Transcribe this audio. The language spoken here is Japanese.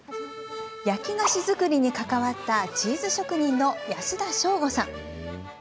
焼き菓子作りに関わったチーズ職人の安田翔吾さん。